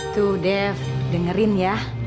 tuh dev dengerin ya